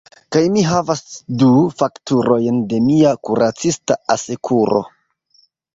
Kaj mi havas du fakturojn de mia kuracista asekuro.